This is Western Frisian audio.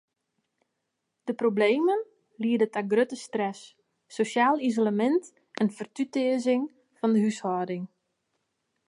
De problemen liede ta grutte stress, sosjaal isolemint en fertutearzing fan de húshâlding.